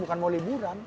bukan mau liburan